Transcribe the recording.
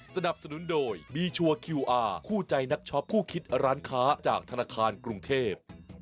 สนับสนุนโดยบีชัวร์คิวอาร์คู่ใจนักช็อปคู่คิดร้านค้าจากธนาคารกรุงเทพ